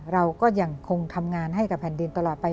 เราก็ยังคงทำงานให้กับแผ่นดินตลอดไป